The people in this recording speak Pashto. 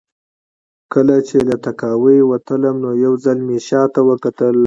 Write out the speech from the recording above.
کله چې له تهکوي وتلم نو یو ځل مې شا ته وکتل